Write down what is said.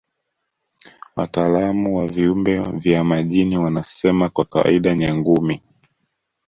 Wataalamu wa viumbe vya majini wanasema kwa kawaida Nyangumi